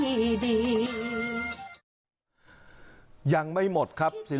ก็เลยเหมือนกับอยากที่จะขออุทิศบทเพลงนี้